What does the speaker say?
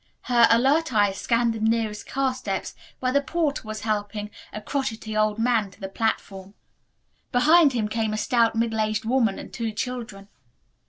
Her alert eyes scanned the nearest car steps where the porter was helping a crotchety old man to the platform. Behind him, came a stout middle aged woman and two children.